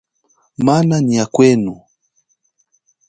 Mana nyia kwenu.